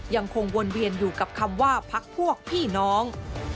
ยังคงวนเวียนอยู่กับคำว่าพักพวกพี่น้อง